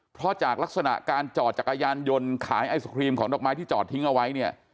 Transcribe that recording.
เพราะจากลักษณะการจอดจักรยานยนต์ขายไอศครีมของดอกไม้ที่จอดทิ้งเอาไว้เนี่ย